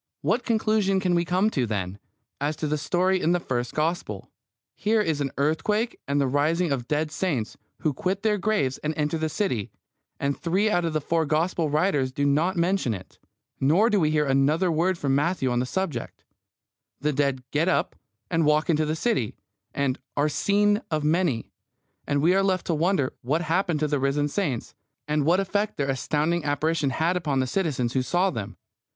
What conclusion can we come to, then, as to the story in the first Gospel? Here is an earthquake and the rising of dead saints, who quit their graves and enter the city, and three out of the four Gospel writers do not mention it. Neither do we hear another word from Matthew on the subject. The dead get up and walk into the city, and "are seen of many," and we are left to wonder what happened to the risen saints, and what effect their astounding apparition had upon the citizens who saw them.